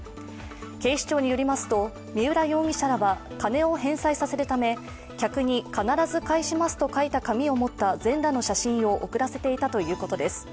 警視庁によりますと三浦容疑者らは金を返済させるため、客に必ず返しますと書いた紙を持った全裸の写真を送らせていたということです。